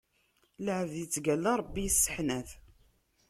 Lɛebd ittgalla, Ṛebbi isseḥnat.